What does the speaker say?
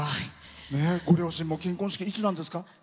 ご両親も金婚式いつなんですか？